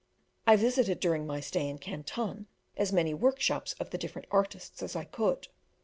I visited during my stay in Canton as many workshops of the different artists as I could.